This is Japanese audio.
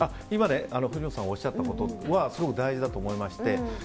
今、藤本さんがおっしゃったことはすごく大事だと思いまして。